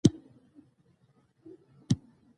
څرنګه کولی شو د خپلې ذهني روغتیا خیال وساتو